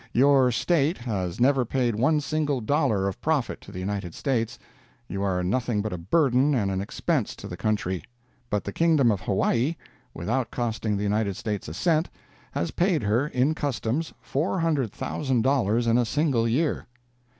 Your State has never paid one single dollar of profit to the United States—you are nothing but a burden and an expense to the country—but the kingdom of Hawaii, without costing the United States a cent, has paid her, in customs, $400,000 in a single year.